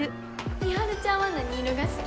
美晴ちゃんは何色が好き？